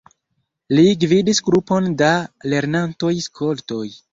Li gvidis grupon da lernantoj-skoltoj.